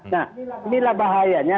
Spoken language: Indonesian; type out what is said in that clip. nah inilah bahayanya